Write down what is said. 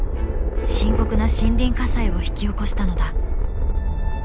深刻な森林火災を引き起こしたのだ。